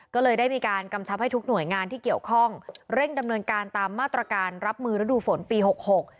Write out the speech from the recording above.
ก็เลยได้มีการกำชับให้ทุกหน่วยงานที่เกี่ยวข้องเร่งดำเนินการตามมาตรการรับมือฤดูฝนปีหกหก